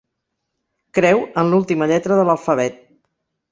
Creu en l'última lletra de l'alfabet.